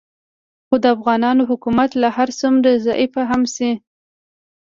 خو د افغانانو حکومت که هر څومره ضعیفه هم شي